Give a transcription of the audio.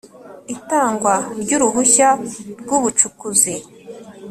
Itangwa ry uruhushya rw ubucukuzi